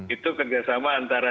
itu kerjasama antara